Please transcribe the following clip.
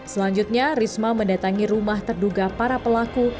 selanjutnya risma mendatangi rumah terduga para pelaku